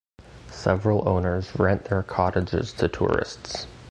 Several owners rent their cottages to tourists.